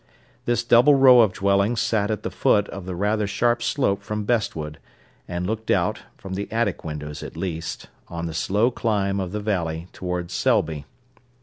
This double row of dwellings sat at the foot of the rather sharp slope from Bestwood, and looked out, from the attic windows at least, on the slow climb of the valley towards Selby.